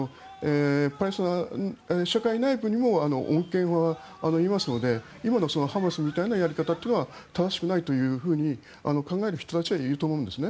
パレスチナ社会内部にも穏健派がいますので今のハマスみたいなやり方は正しくないと考える人たちはいると思うんです。